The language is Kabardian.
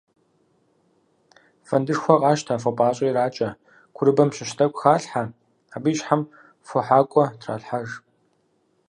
Фэндышхуэ къащтэ, фо пIащIэ иракIэ, курыбэм щыщ тIэкIу халъхьэ, абы и щхьэм фохьэкIуэ тралъхьэж.